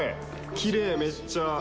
きれい、めっちゃ。